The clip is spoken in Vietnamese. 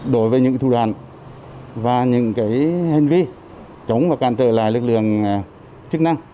đối với những thủ đoạn và những hành vi chống và cản trở lại lực lượng chức năng